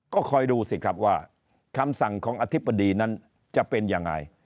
ก็คอยดูสิครับว่าคำสั่งของอธิบดีนั้นจะเป็นยังไง